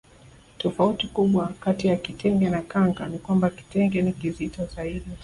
Tofauti kubwa kati ya kitenge na kanga ni kwamba kitenge ni kizito zaidi